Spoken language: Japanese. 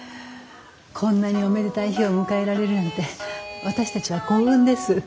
こんなにおめでたい日を迎えられるなんて私たちは幸運です。